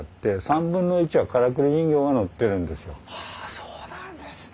そうなんですね。